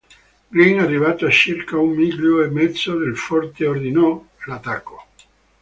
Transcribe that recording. Green, arrivato a circa un miglio e mezzo dal forte, ordinò l'attacco.